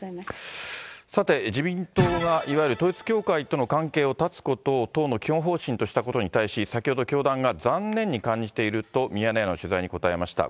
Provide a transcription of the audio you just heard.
さて、自民党が、いわゆる統一教会との関係を断つことを党の基本方針としたことについて、先ほど教団が残念に感じていると、ミヤネ屋の取材に答えました。